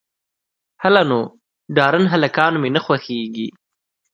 _هله نو، ډارن هلکان مې نه خوښېږي.